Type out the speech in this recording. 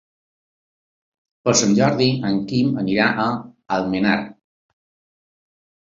Per Sant Jordi en Quim anirà a Almenar.